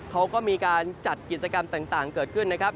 เขาก็มีการจัดกิจกรรมต่างเกิดขึ้นนะครับ